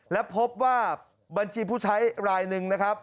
และพบว่าบัญชีผู้ใช้รายหนึ่งนะครับ